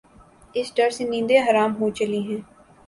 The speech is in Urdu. اس ڈر سے نیندیں حرام ہو چلی ہیں۔